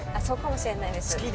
そうかもしれないです。